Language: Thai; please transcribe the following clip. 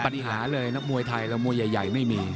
ปัญหาเลยนักมวยไทยแล้วมวยใหญ่ไม่มี